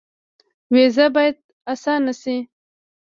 ویزه باید اسانه شي